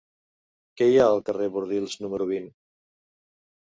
Què hi ha al carrer de Bordils número vint?